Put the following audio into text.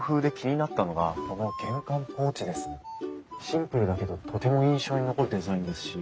シンプルだけどとても印象に残るデザインですし。